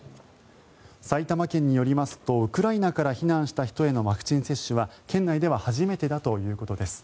埼玉県によりますとウクライナから避難した人へのワクチン接種は県内では初めてだということです。